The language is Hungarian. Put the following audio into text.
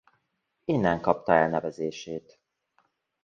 Innen kapta elnevezését.